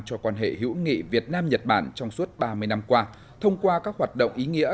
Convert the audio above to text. cho quan hệ hữu nghị việt nam nhật bản trong suốt ba mươi năm qua thông qua các hoạt động ý nghĩa